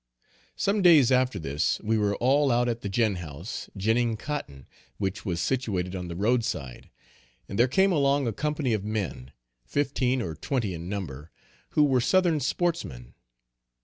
Some days after this we were all out at the gin house ginning cotton, which was situated on the road side, and there came along a company of men, fifteen or twenty in number, who were Southern sportsmen.